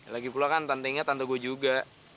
lagipula kan tantengnya tante gue juga